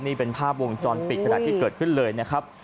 นี่เป็นภาพวงจรปิดขณะที่เกิดขึ้นเลยนะครับ